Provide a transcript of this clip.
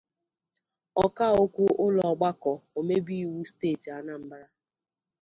Ọkaokwu ụlọ ọgbakọ omebe iwu steeti Anambra